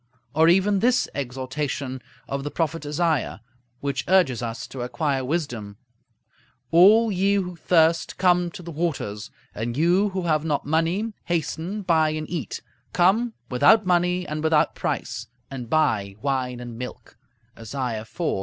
Or even this exhortation of the prophet Isaiah, which urges us to acquire wisdom: "A11 ye who thirst, come to the waters; and you who have not money, hasten, buy and eat: come, without money and without price, and buy wine and milk" (Isaiah iv.